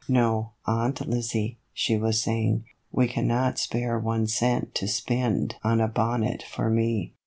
No, Aunt Lizzie," she was saying, " we cannot spare one cent to spend on a bonnet for me.